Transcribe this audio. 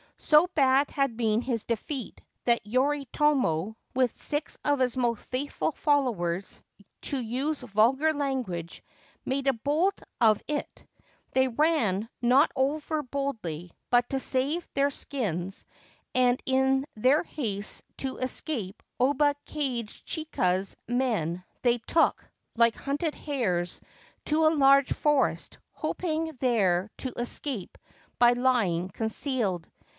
So bad had been his defeat that Yoritomo, with six of his most faithful followers, to use vulgar language, made a bolt of it. They ran, not over boldly, but to save their skins, Ancient Tales and Folklore of Japan and in their haste to escape Oba Kage chika's men they took, like hunted hares, to a large forest, hoping there to escape by lying concealed.